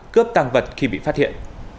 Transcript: cướp tăng vật khi bị phát hiện